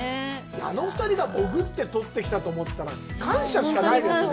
あの２人が潜ってとってきたと思ったら感謝しかないですね。